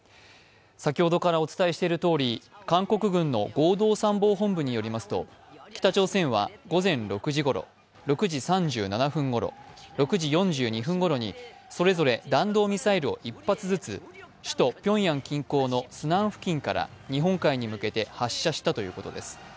先ほどからお伝えしているとおり、韓国軍の合同参謀本部によりますと、北朝鮮は午前６時ごろ、６時３７分ごろ６時４２分ごろ、それぞれ弾道ミサイルを一発ずつ、首都ピョンヤン近郊のスナン付近から日本海に向けて発射したということです。